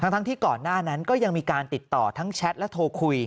ทั้งที่ก่อนหน้านั้นก็ยังมีการติดต่อทั้งแชทและโทรคุย